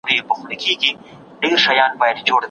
د هزاره وګړو حقونه د نورو توکمونو سره برابر شول.